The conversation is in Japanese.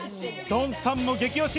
ドンさんも激推し。